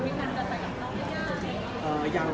มีคันกันไปกับน้องหรือยัง